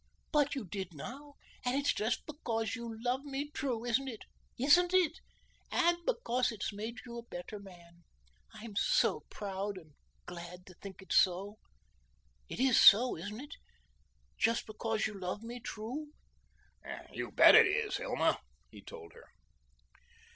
But you did now, and it's just because you love me true, isn't it? Isn't it? And because it's made you a better man. I'm so proud and glad to think it's so. It is so, isn't it? Just because you love me true." "You bet it is, Hilma," he told her.